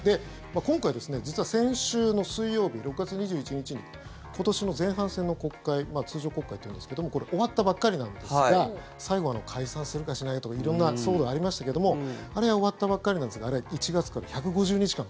今回、実は先週の水曜日６月２１日に今年の前半戦の国会通常国会というんですけども終わったばっかりなんですが最後は解散するか、しないとか色んな騒動がありましたけどもあれが終わったばっかりなんですが１月から１５０日間